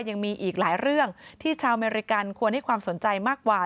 ยังมีอีกหลายเรื่องที่ชาวอเมริกันควรให้ความสนใจมากกว่า